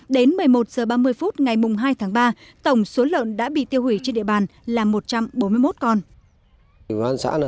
đến một mươi một h ba mươi phút ngày hai tháng ba tổng số lợn đã bị tiêu hủy trên địa bàn là một trăm bốn mươi một con